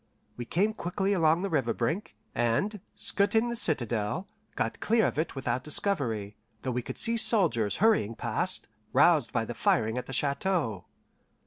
We came quickly along the river brink, and, skirting the citadel, got clear of it without discovery, though we could see soldiers hurrying past, roused by the firing at the chateau.